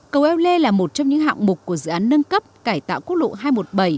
cầu eo lê là một trong những hạng mục của dự án nâng cấp cải tạo quốc lộ hai trăm một mươi bảy